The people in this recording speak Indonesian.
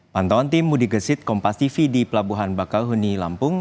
pantauan tim mudi gesit kompas tv di pelabuhan bakau huni lampung